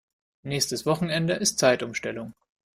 Nächstes Wochenende ist Zeitumstellung.